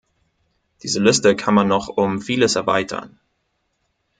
Diese Liste kann man noch um vieles erweitern.